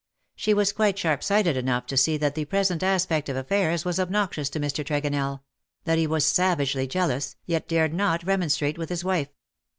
She was quite sharp sighted enough to see that the present aspect of affairs was obnoxious to jNIr. Tregonell — that he was savagely jealous, yet dared not remonstrate with his wife.